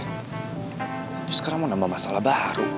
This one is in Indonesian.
terus sekarang mau nambah masalah baru